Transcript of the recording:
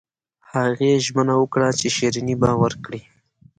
هغې ژمنه وکړه چې شیریني به ورکړي